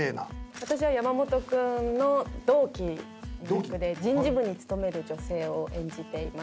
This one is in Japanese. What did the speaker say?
私は山本君の同期の役で人事部に勤める女性を演じています。